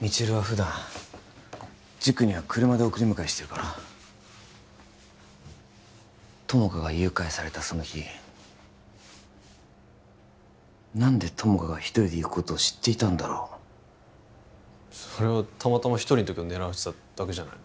未知留は普段塾には車で送り迎えしてるから友果が誘拐されたその日何で友果が一人で行くことを知っていたんだろうそれはたまたま一人の時を狙われてただけじゃないの？